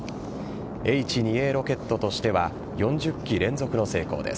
Ｈ２Ａロケットとしては４０機連続の成功です。